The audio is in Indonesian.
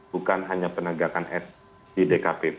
bukan hanya penegakan etik di dkpp